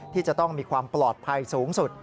ที่จะต้องมีความปลอดภัยสูงสุด